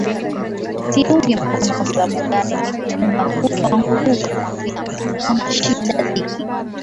siungi mkono kwa sababu gani nimetunga mkuki kwa nguruwe kumwambia mtu kwamba shida dhiki